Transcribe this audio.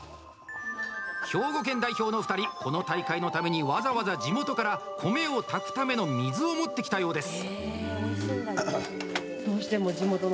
兵庫県代表の２人この大会のためにわざわざ地元から米を炊くための水を持ってきたようです。